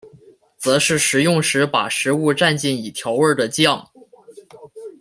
则是食用时把食物蘸进已调味的酱。